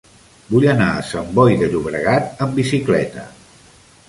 Vull anar a Sant Boi de Llobregat amb bicicleta.